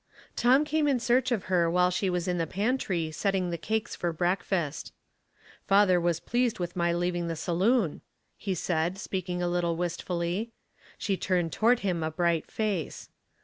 Tom came in search of her while she was in the pantry setting the cakes for breakfast. "Father was pleased with my leaving the sa loon," he said, speaking a little wistfully. She turned toward him a bright face.